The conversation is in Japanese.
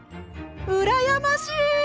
うらやましい！